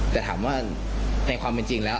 แต่ถามว่าในความเป็นจริงแล้ว